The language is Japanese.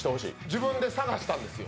自分で探したんですよ。